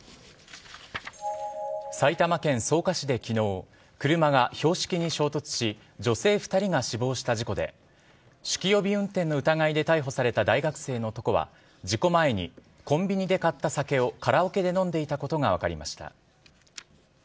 埼玉県草加市で昨日車が標識に衝突し女性２人が死亡した事故で酒気帯び運転の疑いで逮捕された大学生の男は事故前にコンビニで買った酒をカラオケで飲んでいたことが分かりました。